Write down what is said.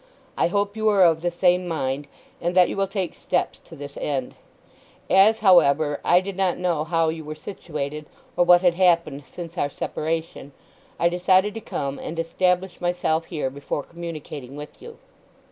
I hope you are of the same mind, and that you will take steps to this end. As, however, I did not know how you were situated, or what had happened since our separation, I decided to come and establish myself here before communicating with you.